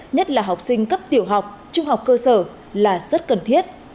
nhất là học sinh cấp tiểu học trung học cơ sở là rất cần thiết